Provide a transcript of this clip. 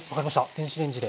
電子レンジで。